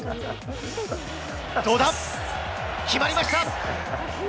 どうだ、決まりました。